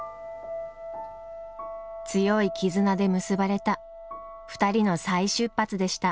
強い絆で結ばれた２人の再出発でした。